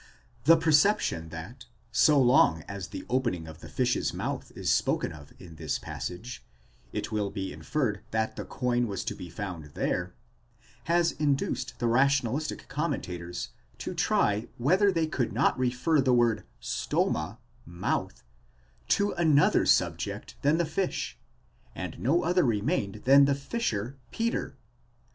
The perception that, so long as the opening of the fish's mouth is spoken of in this passage, it will be inferred that the coin was to be found there, has induced the rationalistic commentators to try whether they could not refer the word στόμα, mouth, to another subject than the fish, and no other remained than the fisher, Peter.